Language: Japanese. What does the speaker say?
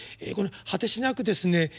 この果てしなくですね